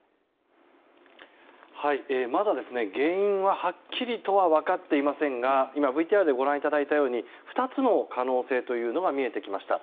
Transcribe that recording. まだ原因は、はっきりとは分かっていませんが今ＶＴＲでご覧いただいたように２つの可能性というのが見えてきました。